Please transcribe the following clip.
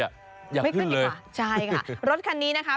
อยากขึ้นเลยใช่ค่ะรถคันนี้นะครับ